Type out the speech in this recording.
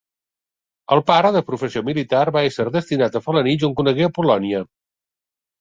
El pare, de professió militar, va ésser destinat a Felanitx on conegué Apol·lònia.